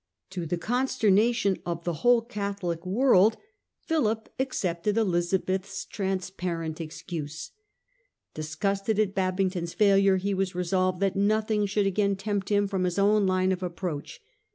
To the consternation of the whole Catholic world. EC MISSION TO HOLLAND 115 Philip accepted Elizabeth's transparent excuse. Dis gusted at Babington's failure, he was resolved that nothing should again tempt him from his own line of approach.